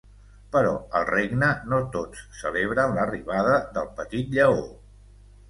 Però al regne no tots celebren l’arribada del petit lleó.